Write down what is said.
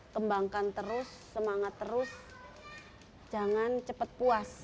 kembangkan terus semangat terus jangan cepat puas